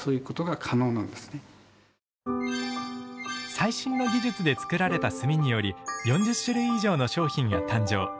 最新の技術で作られた炭により４０種類以上の商品が誕生。